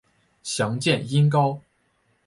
详见音高。